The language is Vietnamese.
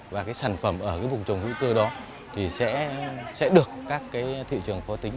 và cái sản phẩm ở cái vùng trồng hữu cơ đó thì sẽ được các cái thị trường có tính